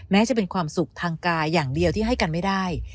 แม้จะเป็นความสุขทางกายอย่างเดียวที่ให้กันไม่ได้